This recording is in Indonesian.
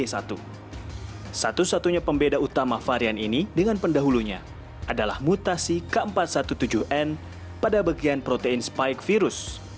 satu satunya pembeda utama varian ini dengan pendahulunya adalah mutasi k empat ratus tujuh belas n pada bagian protein spike virus